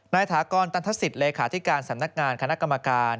ถากรตันทศิษย์เลขาธิการสำนักงานคณะกรรมการ